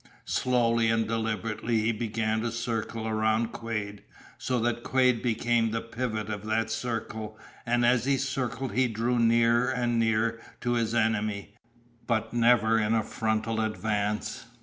Slowly and deliberately he began to circle around Quade, so that Quade became the pivot of that circle, and as he circled he drew nearer and nearer to his enemy, but never in a frontal advance.